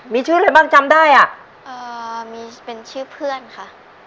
มีชื่ออะไรบ้างจำได้อ่ะมีเป็นชื่อเพื่อนค่ะ